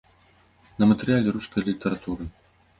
На матэрыяле рускай літаратуры.